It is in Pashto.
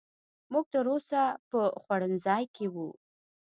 موږ تر اوسه په خوړنځای کې وو.